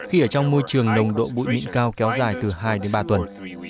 khi ở trong môi trường nồng độ bụi mịn cao kéo dài từ hai đến ba tuần